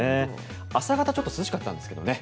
朝方、ちょっと涼しかったんですけどね。